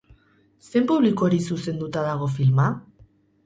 Zein publikori zuzenduta dago filma?